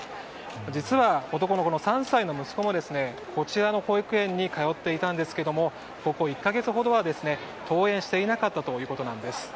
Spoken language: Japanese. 実は男の３歳の息子もこちらの保育園に通っていたんですけどもここ１か月ほどは登園していなかったということです。